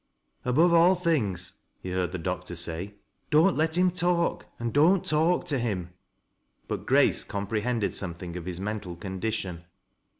" Above all things," he heard the doctor say, " don't !el him talk aad don't talk to him." But Grace comprehended something of his mental con dition.